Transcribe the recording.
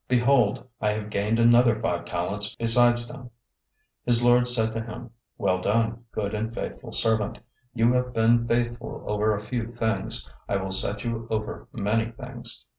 Behold, I have gained another five talents besides them.' 025:021 "His lord said to him, 'Well done, good and faithful servant. You have been faithful over a few things, I will set you over many things.